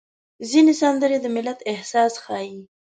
ځینې سندرې د ملت احساس ښيي.